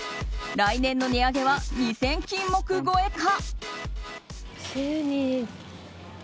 来年の値上げは２０００品目超えか。